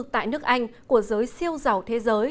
tại nước anh của giới siêu giàu thế giới